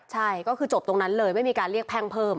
ใช่ก็คือจบตรงนั้นเลยไม่มีการเรียกแพ่งเพิ่ม